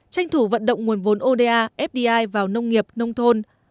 tranh thủ vận động nguồn vốn oda fdi fdi vào nông nghiệp nông thôn